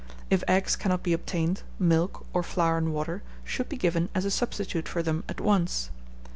If eggs cannot be obtained, milk, or flour and water, should be given as a substitute for them at once.